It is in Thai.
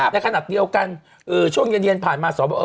ในขณะเดียวกันช่วงเย็นผ่านมาสอบ